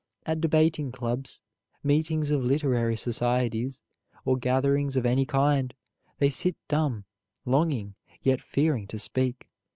At debating clubs, meetings of literary societies, or gatherings of any kind, they sit dumb, longing, yet fearing to speak.